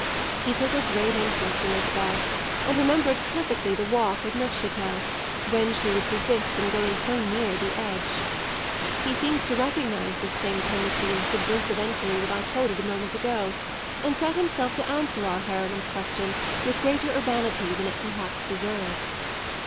He took a great interest in Isabel and remembered perfectly the walk at Neufchatel, when she would persist in going so near the edge. He seemed to recognise this same tendency in the subversive enquiry that I quoted a moment ago, and set himself to answer our heroine's question with greater urbanity than it perhaps deserved.